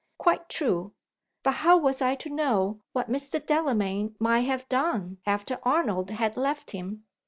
Quite true! But how was I to know what Mr. Delamayn might have done after Arnold had left him?